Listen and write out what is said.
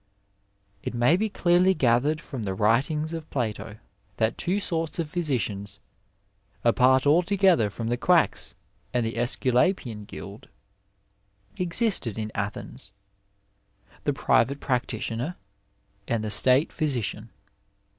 It may be clearly gathered from the writings of Plato that two sorts of physicians (apart altogether from quacks Digitized by Google PHYSIC AND PHYSICIANS and tte iBBCulapian guild) existed in Athens, the private practitioner, and the State physician.